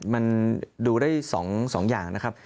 มันดูได้๒อย่างนะครับ